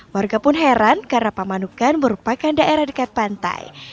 warga pun heran karena pamanukan merupakan daerah dekat pantai